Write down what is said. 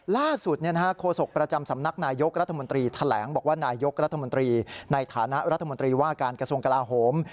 ล่าสุดโฆษกประจำสำนักนายยกรัฐมนตรีแถลงบอกว่านายกรัฐมนตรีในฐานะรัฐมนตรีว่าการกระทรวงกลาโหม